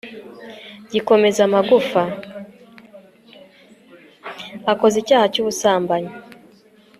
akoze icyaha cyu busambanyi